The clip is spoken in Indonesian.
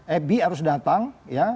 ebi harus datang ya